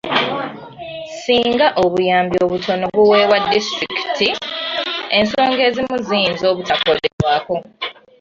Singa obuyambi obutono buweebwa disitulikiti, ensonga ezimu ziyinza obutakolebwako.